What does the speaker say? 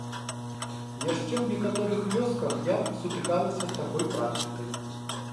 Яшчэ ў некаторых вёсках я сутыкалася з такой практыкай.